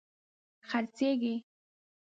خرڅیږې